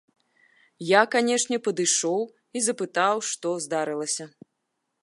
Я, канечне, падышоў і запытаў, што здарылася.